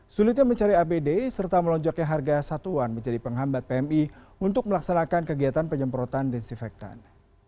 sulitnya mencari apd serta melonjaknya harga satuan menjadi penghambat pmi untuk melaksanakan kegiatan penyemprotan desinfektan